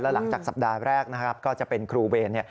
หลังจากสัปดาห์แรกนะครับก็จะเป็นครูเวร